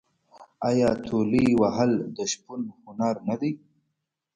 آیا تولې وهل د شپون هنر نه دی؟